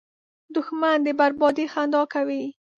دښمن د بربادۍ خندا کوي